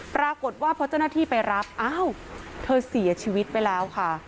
ปรากฏว่าพอเจ้าหน้าที่ไปรับอ้าวเธอเสียชีวิตไปแล้วค่ะ